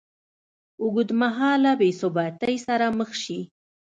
ه اوږدمهاله بېثباتۍ سره مخ شي